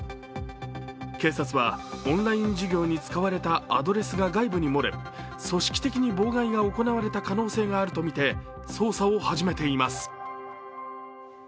警察は、オンライン授業に使われたアドレスが外部に漏れ組織的に妨害が行われた可能性があるとみて捜査を始めています。